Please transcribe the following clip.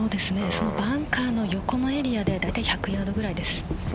バンカーの横のエリアが１００ヤードくらいです。